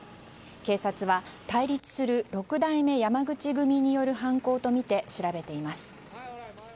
警察は対立する６代目山口組による犯行とみて調べています。